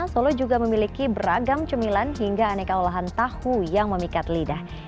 solo juga memiliki beragam cemilan hingga aneka olahan tahu yang memikat lidah